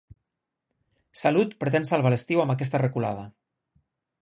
Salut pretén salvar l'estiu amb aquesta reculada.